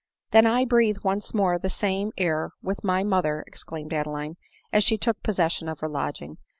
" Then I breathe once more the same* air with my mother!" exclaimed Adeline as she took possession of her lodging.